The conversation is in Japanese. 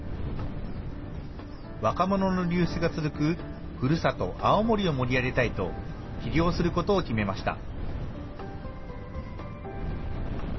若者の流出が続くふるさと、青森を盛り上げたいと、起業することを決めました。